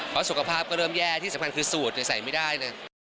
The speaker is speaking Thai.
เพราะสุขภาพก็เริ่มแย่ที่สำคัญคือสูตรใส่ไม่ได้เลย